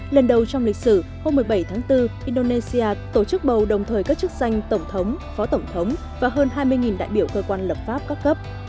lần đầu trong lịch sử hôm một mươi bảy tháng bốn indonesia tổ chức bầu đồng thời các chức danh tổng thống phó tổng thống và hơn hai mươi đại biểu cơ quan lập pháp các cấp